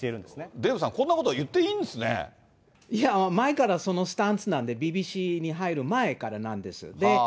デーブさん、こんなこと言っ前からそのスタンスなんで、ＢＢＣに入る前からなんです。